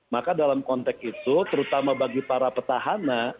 maka dalam konteks itu terutama bagi para petahana